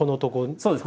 そうです